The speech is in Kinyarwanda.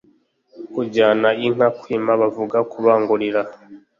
Kujyana inka kwima bavuga Kubangurira